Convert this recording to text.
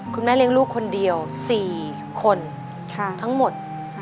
เลี้ยงลูกคนเดียว๔คนทั้งหมด